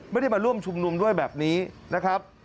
ไม่ได้มาร่วมชุมนุมด้วยแบบนี้นะครับ